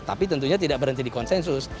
tapi tentunya tidak berhenti di konsensus